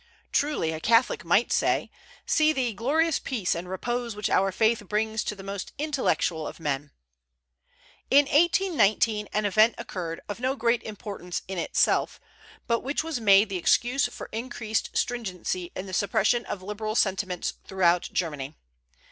Truly, a Catholic might say, "See the glorious peace and repose which our faith brings to the most intellectual of men!" In 1819 an event occurred, of no great importance in itself, but which was made the excuse for increased stringency in the suppression of liberal sentiments throughout Germany.